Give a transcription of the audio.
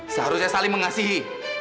seharusnya saling mengasihi